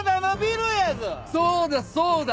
そうだそうだ！